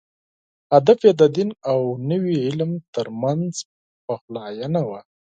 هدف یې د دین او نوي علم تر منځ پخلاینه وه.